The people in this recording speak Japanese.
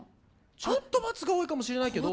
ちょっと×が多いかもしれないけど。